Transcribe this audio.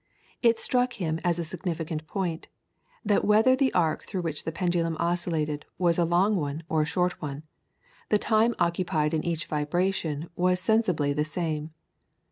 It struck him as a significant point, that whether the arc through which the pendulum oscillated was a long one or a short one, the time occupied in each vibration was sensibly the same.